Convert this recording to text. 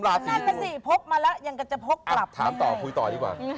นั่นป่ะสิภกมาแล้วยังจะพลบกลับถามต่อคุยต่อนี้กว่า